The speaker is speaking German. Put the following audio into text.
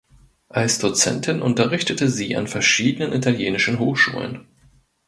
Als Dozentin unterrichtete sie an verschiedenen italienischen Hochschulen.